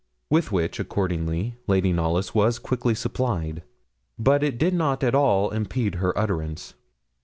With which accordingly Lady Knollys was quickly supplied; but it did not at all impede her utterance.